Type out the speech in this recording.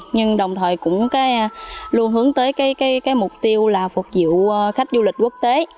nhưng đồng thời cũng luôn hướng tới cái mục tiêu là phục vụ khách du lịch quốc tế